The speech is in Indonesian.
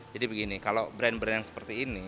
jadi begini kalau brand brand yang seperti ini